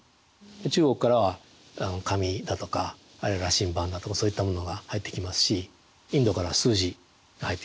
で中国からは紙だとか羅針盤だとかそういったものが入ってきますしインドからは数字が入ってきますよね。